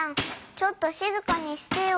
ちょっとしずかにしてよ。